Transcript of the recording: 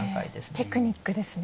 テクニックですね。